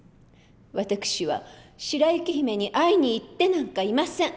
私は白雪姫に会いに行ってなんかいません。